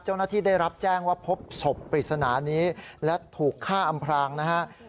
เจ้าหน้าที่ได้รับแจ้งว่าพบศพปริศนานี้และถูกฆ่าอำพรางนะครับ